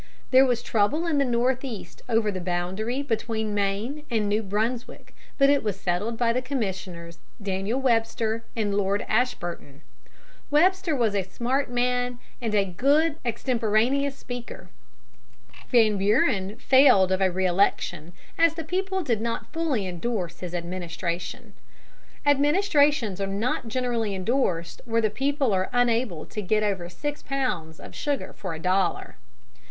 ] There was trouble in the Northeast over the boundary between Maine and New Brunswick, but it was settled by the commissioners, Daniel Webster and Lord Ashburton. Webster was a smart man and a good extemporaneous speaker. Van Buren failed of a re election, as the people did not fully endorse his administration. Administrations are not generally endorsed where the people are unable to get over six pounds of sugar for a dollar.